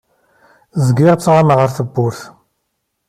Zgiɣ ttɣamaɣ ar tewwurt.